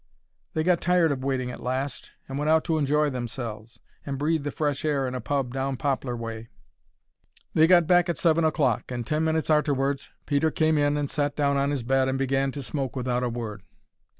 They got tired of waiting at last, and went out to enjoy themselves, and breathe the fresh air in a pub down Poplar way. They got back at seven o'clock, and ten minutes arterwards Peter came in and sat down on his bed and began to smoke without a word.